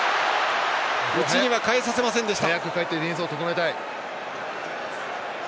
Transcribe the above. うちには返させませんでした。